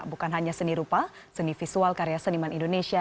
bukan hanya seni rupa seni visual karya seniman indonesia